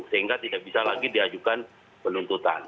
sehingga tidak bisa lagi diajukan penuntutan